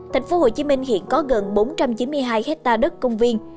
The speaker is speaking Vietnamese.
tp hcm hiện có gần bốn trăm chín mươi hai hectare đất công viên